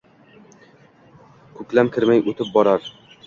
koʼklam kirmay oʼtib borar